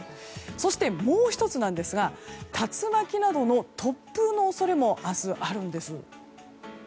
そして、もう１つですが竜巻などの突風の恐れも明日、あるんです。